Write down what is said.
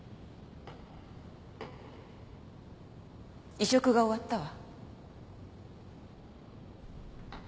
移植が終わったわ。